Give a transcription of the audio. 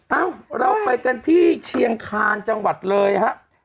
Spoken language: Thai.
เอ้าเราไปกันที่เชียงคาญจังหวัดเลยครับ